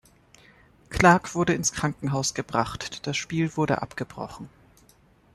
Clarke wurde ins Krankenhaus gebracht; das Spiel wurde abgebrochen.